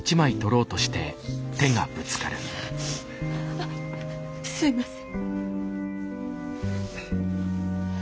あっすいません。